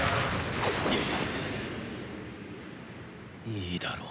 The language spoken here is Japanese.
いいだろう。